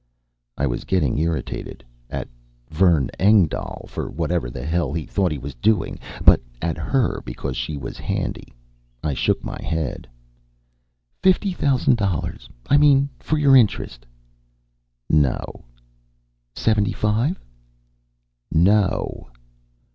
I was getting irritated at Vern Engdahl, for whatever the hell he thought he was doing; but at her because she was handy. I shook my head. "Fifty thousand dollars? I mean for your interest?" "No." "Seventy five?" "No!"